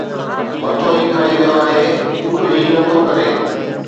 مٿو ئي کائي ويو آهي چپ هي نٿو ڪري